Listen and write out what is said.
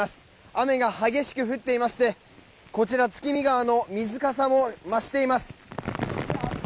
雨が激しく降っていましてこちら、月見川の水かさも増しています。